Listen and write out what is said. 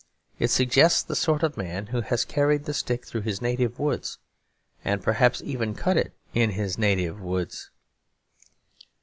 It suggests the sort of man who has carried the stick through his native woods, and perhaps even cut it in his native woods.